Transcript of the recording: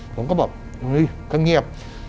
ผมก็บอกทะเงียบ